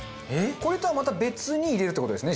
これとはまた別に入れるって事ですね？